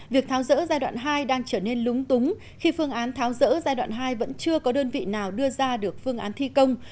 việc tháo rỡ giai đoạn hai đang trở nên lúng túng khi phương án tháo rỡ giai đoạn hai vẫn chưa có đơn vị nào đưa ra được phương án thi công